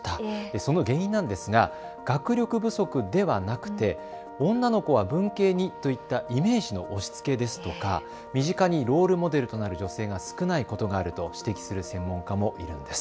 その原因なんですが、学力不足ではなくて女の子は文系にといったイメージの押しつけですとか身近にロールモデルとなる女性が少ないことがあると指摘する専門家もいるんです。